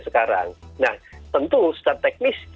sekarang nah tentu secara teknis